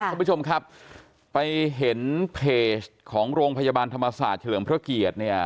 ท่านผู้ชมครับไปเห็นเพจของโรงพยาบาลธรรมศาสตร์เฉลิมพระเกียรติเนี่ย